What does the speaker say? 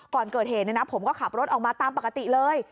ก่อนเกิดเหตุผมก็ขับรถออกมาตามปกติเลย